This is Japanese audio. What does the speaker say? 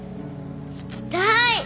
行きたい！